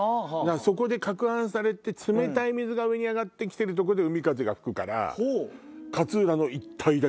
そこで攪拌されて冷たい水が上に上がって来てるとこで海風が吹くから。